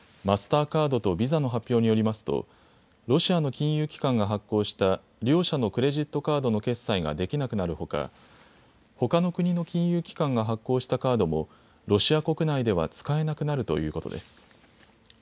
マスターカードとビザの発表によりますとロシアの金融機関が発行した両社のクレジットカードの決済ができなくなるほかほかの国の金融機関が発行したカードもロシア国内では使えなくなるということです。